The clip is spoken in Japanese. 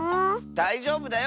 だいじょうぶだよ。